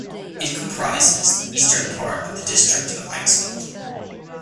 It comprises the eastern part of the district of Eichsfeld.